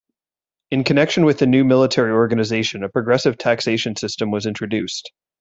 In connection with the new military organization, a progressive taxation system was introduced.